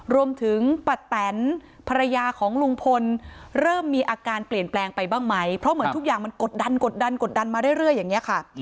ป้าแตนภรรยาของลุงพลเริ่มมีอาการเปลี่ยนแปลงไปบ้างไหมเพราะเหมือนทุกอย่างมันกดดันกดดันกดดันมาเรื่อยอย่างนี้ค่ะ